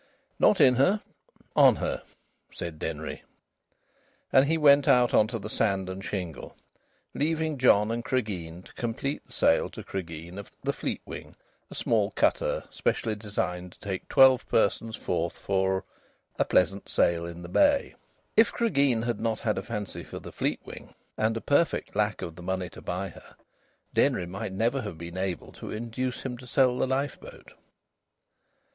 "Not in her. On her," said Denry. And he went out on to the sand and shingle, leaving John and Cregeen to complete the sale to Cregeen of the Fleetwing, a small cutter specially designed to take twelve persons forth for "a pleasant sail in the bay." If Cregeen had not had a fancy for the Fleetwing and a perfect lack of the money to buy her, Denry might never have been able to induce him to sell the lifeboat.